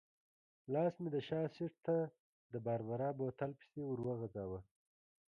لاس مې د شا سېټ ته د باربرا بوتل پسې ورو غځاوه.